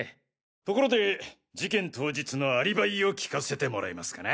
ところで事件当日のアリバイを聞かせてもらえますかな？